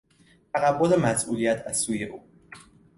تقبل مسئولیت از سوی او